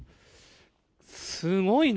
すごいな。